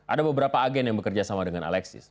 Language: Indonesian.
ada beberapa agen yang bekerja sama dengan alexis